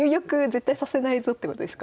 絶対させないぞってことですか？